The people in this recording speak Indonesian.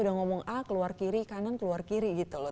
udah ngomong a keluar kiri kanan keluar kiri gitu loh